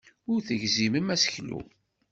Ur tegzimem aseklu.